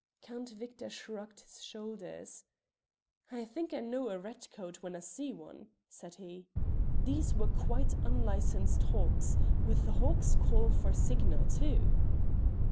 Count Victor shrugged his shoulders. "I think I know a red coat when I see one," said he. "These were quite unlicensed hawks, with the hawk's call for signal too."